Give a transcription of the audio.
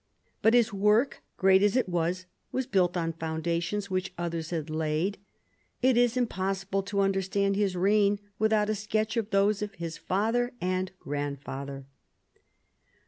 But his work, great as it was, was built on foundations which others had laid. It is impossible to understand his reign without a sketch of those of his father and grandfather.